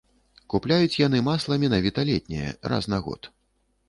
Купляюць яны масла менавіта летняе, раз на год.